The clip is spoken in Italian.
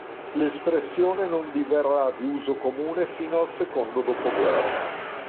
L'espressione non diverrà di uso comune fino al secondo dopoguerra.